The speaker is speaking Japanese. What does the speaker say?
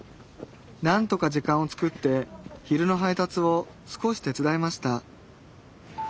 何とか時間を作って昼の配達を少し手伝いました